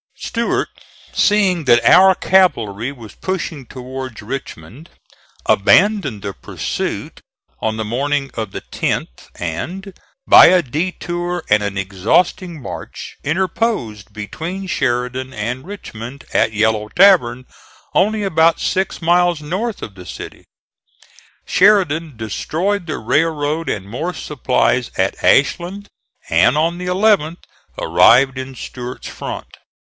Stuart, seeing that our cavalry was pushing towards Richmond, abandoned the pursuit on the morning of the 10th and, by a detour and an exhausting march, interposed between Sheridan and Richmond at Yellow Tavern, only about six miles north of the city. Sheridan destroyed the railroad and more supplies at Ashland, and on the 11th arrived in Stuart's front.